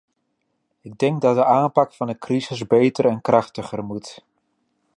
Ik denk dat de aanpak van de crisis beter en krachtiger moet.